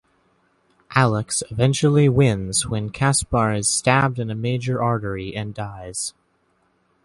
Alex eventually wins when Kaspar is stabbed in a major artery and dies.